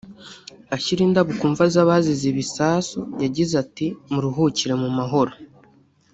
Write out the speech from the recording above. Ashyira indabo ku mva z’abazize ibi bisasu yagize ati "Muruhukire mu mahoro